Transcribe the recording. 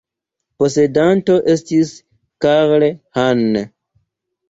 Posedanto estis Carl Hahn.